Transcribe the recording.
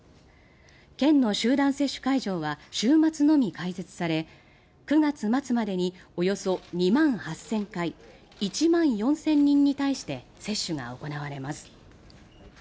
県の集団接種会場は週末のみ開設され９月末までにおよそ２万８０００回１万４０００人に対して接種が行われます。